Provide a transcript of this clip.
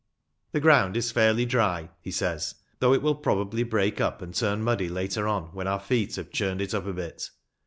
"The ground is fairly dry," he says, "though it will probably break up and turn muddy later on, when our feet have churned it up a bit.